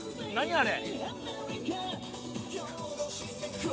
あれ？